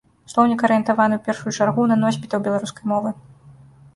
Слоўнік арыентаваны ў першую чаргу на носьбітаў беларускай мовы.